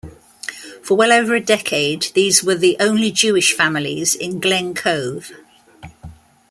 For well over a decade, these were the only Jewish families in Glen Cove.